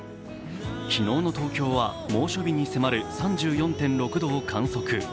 昨日の東京は猛暑日に迫る３４．６度を観測。